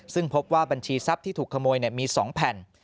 ซึ่งพบว่าบัญชีทรัพย์ที่ถูกขโมยมี๒แผ่น